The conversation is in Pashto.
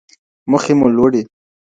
موخې مو لوړې.